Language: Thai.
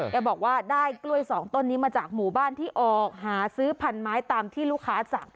แกบอกว่าได้กล้วยสองต้นนี้มาจากหมู่บ้านที่ออกหาซื้อพันไม้ตามที่ลูกค้าสั่ง